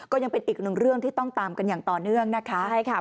ก็ยังเป็นอีกหนึ่งเรื่องที่ต้องตามกันอย่างต่อเนื่องนะคะใช่ค่ะ